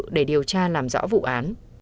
để điều tra làm rõ vụ án